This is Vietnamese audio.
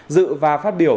dự và phát biểu